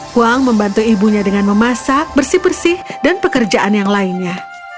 kuang membantu ibunya dengan memasak bersih bersih dan pekerjaan yang lainnya